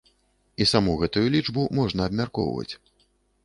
І саму гэтую лічбу можна абмяркоўваць.